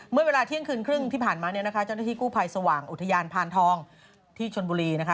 เมื่อเวลาเที่ยงคืนครึ่งที่ผ่านมาจ้อนาธิกู้ภัยสว่างอุทยานพานทองที่ชนบุรี